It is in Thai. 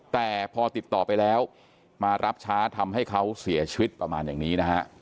แต่พอติดต่อไปแล้วมารับช้าทำให้เขาเสียชีวิตประมาณอย่างนี้นะฮะ